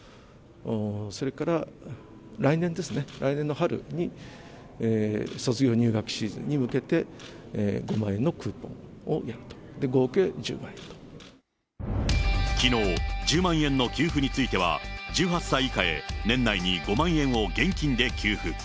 それから来年ですね、来年の春に卒業、入学シーズンに向けて、５万円のクーポンをやると、きのう、１０万円の給付については、１８歳以下へ年内に５万円を現金で給付。